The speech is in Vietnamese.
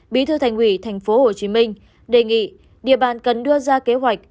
bí thư thành ủy tp hcm đề nghị địa bàn cần đưa ra kế hoạch